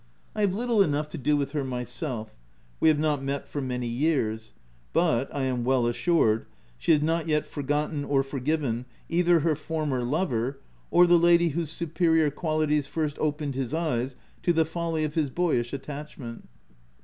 I have little enough to do with her myself: we have not met for many years ; but, I am well assured, she has not yet forgotten or forgiven either her former lover or the lady whose superior qualities first opened his eyes to the folly of his boyish attachment.